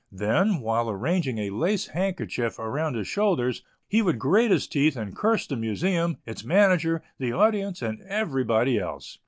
Then, while arranging a lace handkerchief around his shoulders, he would grate his teeth and curse the Museum, its manager, the audience and everybody else.